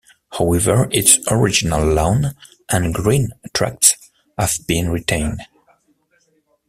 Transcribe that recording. However, its original lawns and green tracts have been retained.